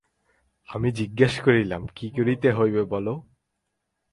আমি জিজ্ঞাসা করিলাম, কী করিতে হইবে বলো।